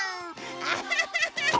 アハハハハ！